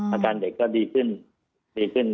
อาการเด็กก็ดีขึ้น